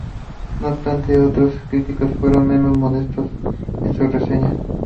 No obstante, otros críticos fueron menos modestos en sus reseñas.